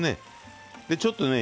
ちょっとね